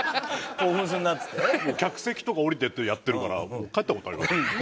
もう客席とか降りてってやってるから帰った事あります。